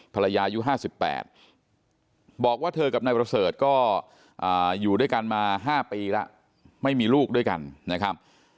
อายุ๕๘บอกว่าเธอกับนายประเสริฐก็อยู่ด้วยกันมา๕ปีแล้วไม่มีลูกด้วยกันนะครับ